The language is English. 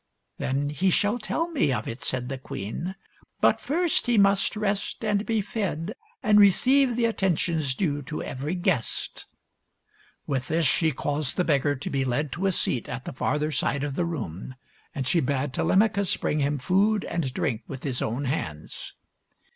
"Then he shall tell me of, it," said the queen. " But first he must rest and be fed and receive the attentions due to every guest." With this she caused the beggar to be led to a seat at the farther side of the room, and she bade Telemachus bring him food and drink with his own hands.